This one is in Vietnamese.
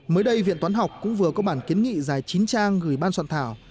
mới đây viện toán học cũng vừa có bản kiến nghị dài chín trang gửi ban soạn thảo